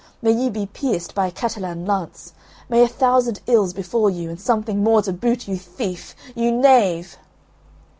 May you be pierced by a Catalan lance! May a thousand ills befall you and something more to boot, you thief, you knave!"